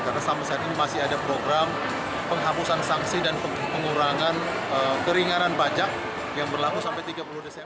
karena sampai saat ini masih ada program penghapusan sanksi dan pengurangan keringaran pajak yang berlaku sampai tiga puluh desember